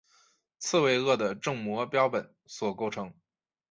刺猬鳄的正模标本所构成。